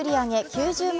９０万